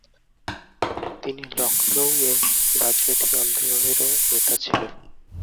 তিনি লখনউ-এ রাজনৈতিক আন্দোলনেরও নেতা ছিলেন।